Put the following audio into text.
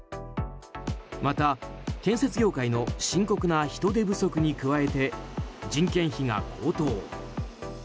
また、建設業界の深刻な人手不足に加えて人件費が高騰。